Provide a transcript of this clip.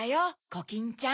コキンちゃん。